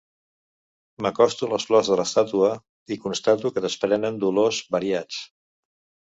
M'acosto a les flors de l'estàtua i constato que desprenen dolors variats.